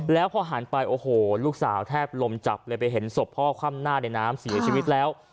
แล้วพอหันไปโอ้โหลูกสาวแทบลมจับเลยไปเห็นศพพ่อคว่ำหน้าในน้ำเสียชีวิตแล้ว